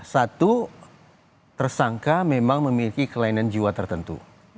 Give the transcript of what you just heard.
satu tersangka memang memiliki kelainan jiwa tertentu